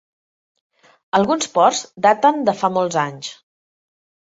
Alguns ports daten de fa molts anys.